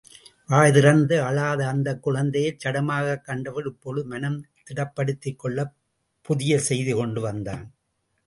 வாய் திறந்து அழாத அந்தக் குழந்தையைச் சடமாகக் கண்டவள் இப்பொழுது மனம் திடப்படுத்திக்கொள்ளப் புதிய செய்தி கொண்டு வந்தான்.